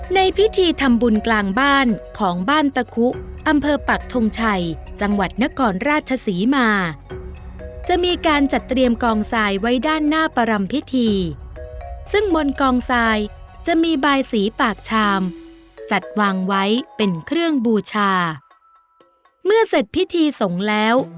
ในพิธีทำบุญกลางบ้านของบ้านตะคุอำเภอปักทงชัยจังหวัดนครราชศรีมาจะมีการจัดเตรียมกองทรายไว้ด้านหน้าประรำพิธีซึ่งบนกองทรายจะมีบายสีปากชามจัดวางไว้เป็นเครื่องบูชาเมื่อเสร็จพิธีสงฆ์แล้ว